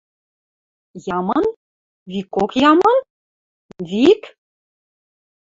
«Ямын? Викок ямын?.. Вик?!»